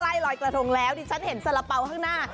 ลอยกระทงแล้วดิฉันเห็นสาระเป๋าข้างหน้า